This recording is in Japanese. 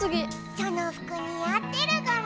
そのふくに合ってるゴロ。